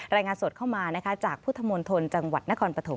ละงานสดเข้ามาจากภพพุธมนทรจังหวัดนครปฐม